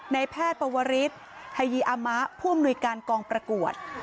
ในแพทย์ปวริสไฮยีอามะผู้อำนวยการกองประกวด